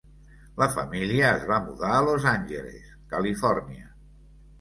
La família es va mudar a Los Angeles, Califòrnia.